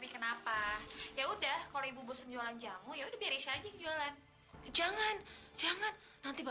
sampai jumpa di video selanjutnya